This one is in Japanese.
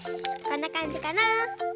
こんなかんじかな。